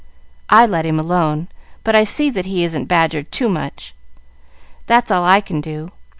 "I let him alone, but I see that he isn't badgered too much. That's all I can do.